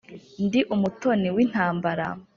ndi umutoni w'intambara,